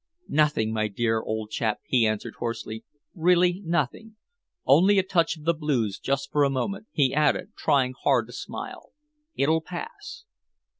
"Nothing, my dear old chap," he answered hoarsely. "Really nothing only a touch of the blues just for a moment," he added, trying hard to smile. "It'll pass."